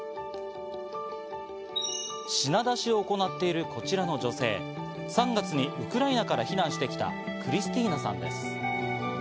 品出しを行っているこちらの女性、３月にウクライナから避難してきたクリスティーナさんです。